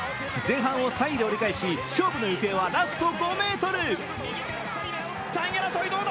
前半を３位で折り返し勝負の行方はラスト５ｍ。